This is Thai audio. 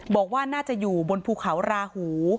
บอกว่าน่าจะอยู่บนภูเขาราหู